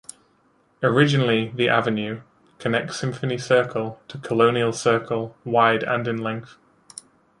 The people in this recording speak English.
Originally The Avenue; connects Symphony Circle to Colonial Circle; wide and in length.